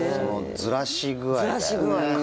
ずらし具合だよね。